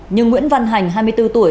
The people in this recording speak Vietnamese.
nhưng nguyễn văn hành hai mươi bốn tuổi